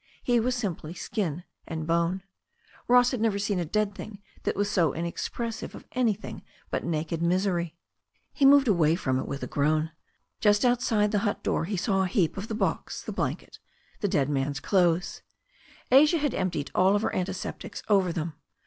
He was simply skin and bone. Ross had never seen a dead thing that was so inexpressive of any* thing but naked misery. "]«" g^i THE STORY OF A NEW ZEALAND RIVER He moved away from it with a groan. Just outside the hut door he saw a heap of the box, the blanket, the Head man's clothes. Asia had emptied all her antiseptics over them.